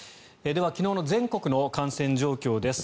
では昨日の全国の感染状況です。